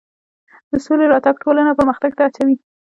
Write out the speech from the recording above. د سولې راتګ ټولنه پرمختګ ته هڅوي.